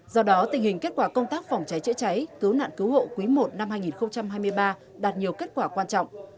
do đó tình hình kết quả công tác phòng cháy chữa cháy cứu nạn cứu hộ quý i năm hai nghìn hai mươi ba đạt nhiều kết quả quan trọng